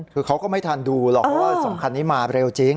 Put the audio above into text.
เขาก็ไม่ทันดูก็ว่าสองคันนี้มาเร็วจริง